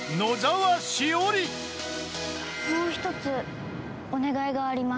「もう一つお願いがあります」